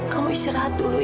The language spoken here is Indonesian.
kamu istirahat dulu ya